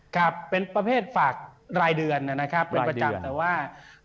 ครับเป็นประเภทฝากรายเดือนนะครับเป็นประจำแต่ว่า